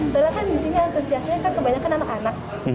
soalnya kan di sini antusiasnya kan kebanyakan anak anak